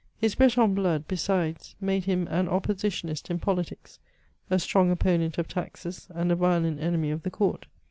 His Breton blood, besides, made him an oppositionist jn politics, a strong opponent of taxes, and a vic^ent enemy 43f the Court.